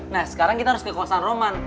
nah sekarang kita harus ke kawasan roman